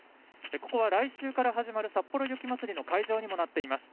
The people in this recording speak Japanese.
ここは来週から始まるさっぽろ雪まつりの会場にもなっています。